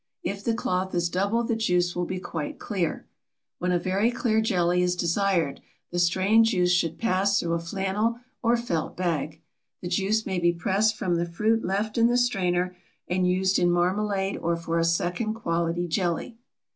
If the cloth is double the juice will be quite clear. When a very clear jelly is desired the strained juice should pass through a flannel or felt bag. The juice may be pressed from the fruit left in the strainer and used in marmalade or for a second quality jelly.